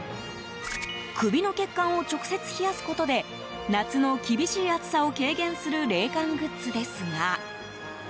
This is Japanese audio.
首の血管を直接冷やすことで夏の厳しい暑さを軽減する冷感グッズですが。